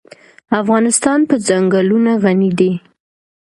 افغانستان په ځنګلونه غني دی.